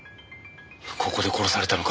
ここで殺されたのか。